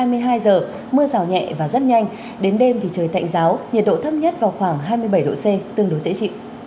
mưa rào nhẹ và rất nhanh đến đêm thì trời tạnh giáo nhiệt độ thấp nhất vào khoảng hai mươi bảy độ c tương đối dễ chịu